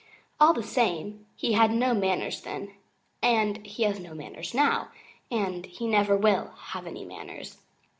All the same, he had no manners then, and he has no manners now, and he never will have any manners.